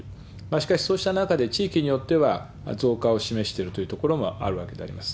しかし、そうした中で、地域によっては増加を示しているという所もあるわけであります。